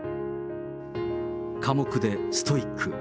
寡黙でストイック。